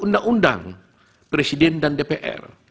undang undang presiden dan dpr